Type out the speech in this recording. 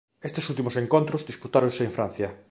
Estes últimos encontros disputáronse en Francia.